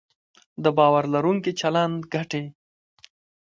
د باور لرونکي چلند ګټې